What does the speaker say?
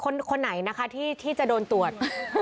คนไหนนะคะที่จะโดนตรวจ